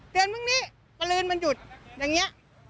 เดือนพรุ่งนี้ประลืนมันหยุดอย่างนี้